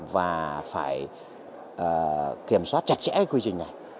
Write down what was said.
và phải kiểm soát chặt chẽ quy trình này